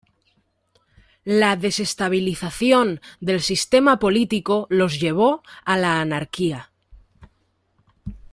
La desestabilización del sistema político los llevó a la anarquía.